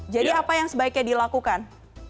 jadi apa yang sebaiknya dilakukan